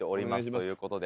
ということで。